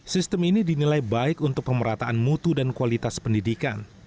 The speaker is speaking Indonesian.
sistem ini dinilai baik untuk pemerataan mutu dan kualitas pendidikan